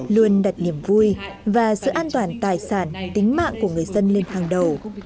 luôn đặt niềm vui và sự an toàn tài sản tính mạng của người dân lên hàng đầu